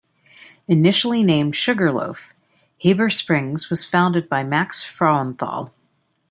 Initially named Sugar Loaf, Heber Springs was founded by Max Frauenthal.